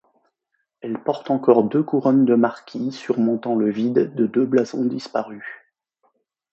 Elle porte encore deux couronnes de marquis surmontant le vide de deux blasons disparus.